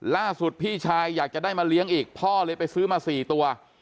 พี่ชายอยากจะได้มาเลี้ยงอีกพ่อเลยไปซื้อมา๔ตัว